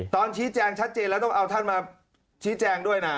ตอนชี้แจงชัดเจนแล้วต้องเอาท่านมาชี้แจงด้วยนะ